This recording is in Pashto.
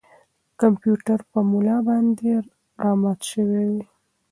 کمپیوټر په ملا باندې را مات شوی و.